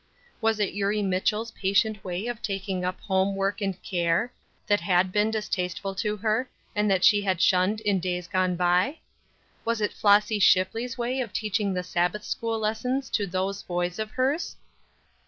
Was it Eurie Mitchell's patient way of taking up home work and care, that had been distasteful to her, and that she had shunned in days gone by? Was it Flossy Shipley's way of teaching the Sabbath school lessons to "those boys" of hers?